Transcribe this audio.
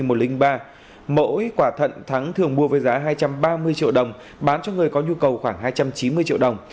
mỗi quả thận thắng thường mua với giá hai trăm ba mươi triệu đồng bán cho người có nhu cầu khoảng hai trăm chín mươi triệu đồng